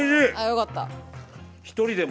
よかった。